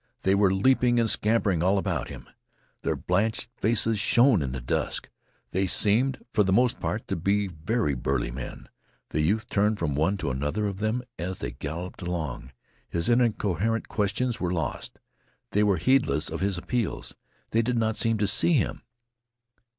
They were leaping and scampering all about him. Their blanched faces shone in the dusk. They seemed, for the most part, to be very burly men. The youth turned from one to another of them as they galloped along. His incoherent questions were lost. They were heedless of his appeals. They did not seem to see him.